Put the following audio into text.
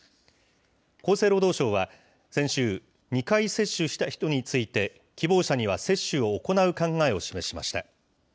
厚生労働省は、先週、２回接種した人について、希望者には接種を行う考えを示しました。